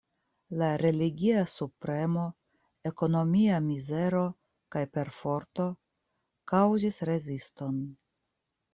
La religia subpremo, ekonomia mizero kaj perforto kaŭzis reziston.